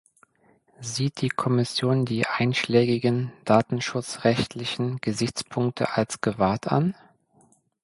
Sieht die Kommission die einschlägigen datenschutzrechtlichen Gesichtspunkte als gewahrt an?